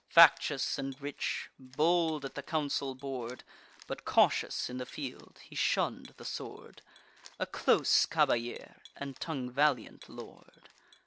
Factious and rich, bold at the council board, But cautious in the field, he shunn'd the sword; A close caballer, and tongue valiant lord.